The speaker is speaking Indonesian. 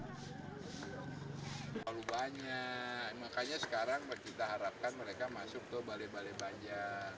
terlalu banyak makanya sekarang kita harapkan mereka masuk ke balai balai banjar